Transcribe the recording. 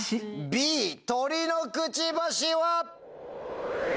「Ｂ鳥のくちばし」は？